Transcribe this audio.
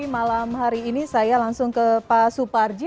malam hari ini saya langsung ke pak suparji